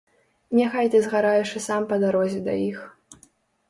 Няхай ты згараеш і сам па дарозе да іх.